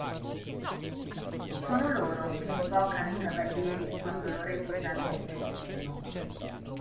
Sono loro che invocano i cavalieri quando lo reputano opportuno.